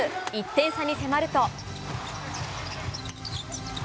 １点差に迫ると。